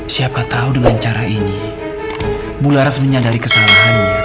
siapkah tahu dengan cara ini ibu laras menyadari kesalahannya